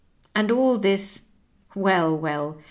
And all this, well 1 well